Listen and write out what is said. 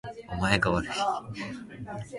お前がわるい